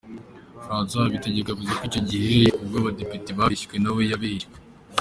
François Habitegeko yavuze ko icyo gihe ubwo abadepite babeshywe nawe yabeshywe.